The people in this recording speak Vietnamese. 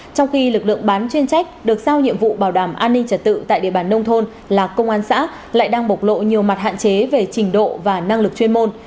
trong khi lực lượng bán chuyên trách được sao nhiệm vụ bảo đảm an ninh trật tự tại địa bàn nông thôn là công an xã lại đang bộc lộ nhiều mặt hạn chế về trình độ và năng lực chuyên môn